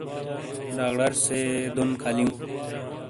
ڈاکڈر سے دون کھلیوں